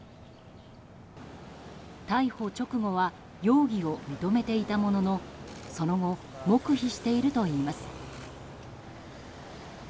逮捕直後は容疑を認めていたもののその後黙秘しているといいます。